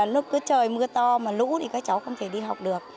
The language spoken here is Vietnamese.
lúc cứ trời mưa to mà lũ thì các cháu không thể đi học được